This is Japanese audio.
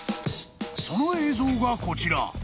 ［その映像がこちら］